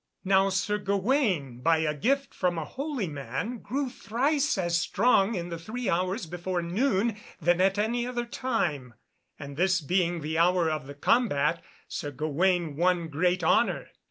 Now, Sir Gawaine, by a gift from a holy man, grew thrice as strong in the three hours before noon than at any other time, and this being the hour of the combat, Sir Gawaine won great honour.